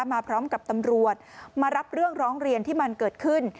มาพร้อมกับตำรวจมารับเรื่องร้องเรียนที่มันเกิดขึ้น